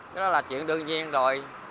đó là chuyện đương nhiên rồi